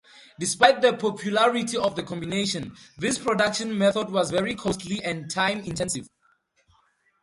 Despite the popularity of the combination, this production method was very costly and time-intensive.